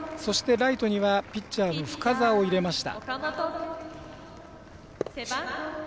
ライトにはピッチャーの深沢を入れました。